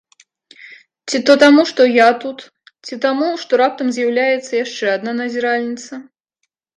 Ці то таму, што я тут, ці таму, што раптам з'яўляецца яшчэ адна назіральніца.